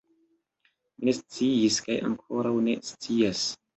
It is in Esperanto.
Mi ne sciis kaj ankoraŭ ne scias.